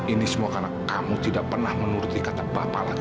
ini semua karena kamu tidak pernah menuruti kata bapak lagi